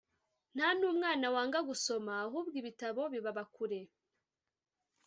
nta n’umwana wanga gusoma ahubwo ibitabo bibaba kure